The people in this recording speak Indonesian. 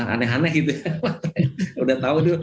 aneh aneh gitu ya udah tahu tuh